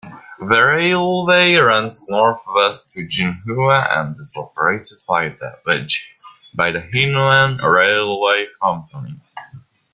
The railway runs northwest to Jinhua and is operated by the Jinwen Railway Company.